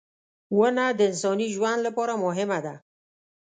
• ونه د انساني ژوند لپاره مهمه ده.